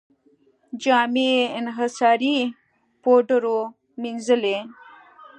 جامې یې انحصاري پوډرو مینځلې.